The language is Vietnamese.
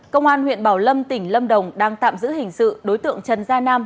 công an huyện bảo lâm tỉnh lâm đồng đang tạm giữ hình sự đối tượng trần gia nam